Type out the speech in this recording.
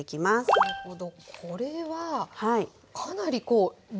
なるほど。